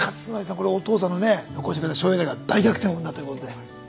これお父さんのね残してくれた醤油ダレが大逆転を生んだということで。